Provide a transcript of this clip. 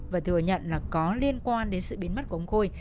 và thừa nhận là có liên quan đến sự biến mất của ông khôi